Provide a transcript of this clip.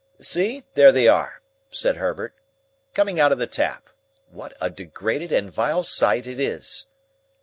"See! There they are," said Herbert, "coming out of the Tap. What a degraded and vile sight it is!"